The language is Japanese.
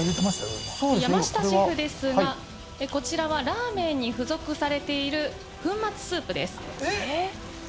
今山下シェフですがこちらはラーメンに付属されている粉末スープですえっ？